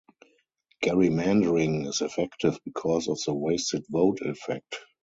Gerrymandering is effective because of the wasted vote effect.